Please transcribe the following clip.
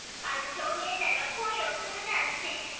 あのショーねえちゃんが恋をするなんて。